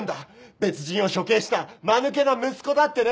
別人を処刑したまぬけな息子だってね！